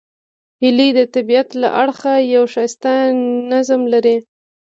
هیلۍ د طبیعت له اړخه یو ښایسته نظم لري